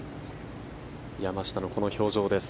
山下のこの表情です。